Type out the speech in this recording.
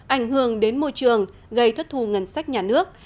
ảnh hưởng đến môi trường gây thất thù ngân sách nhà nước